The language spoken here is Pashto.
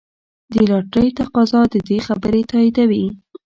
د لاټرۍ تقاضا د دې خبرې تاییدوي.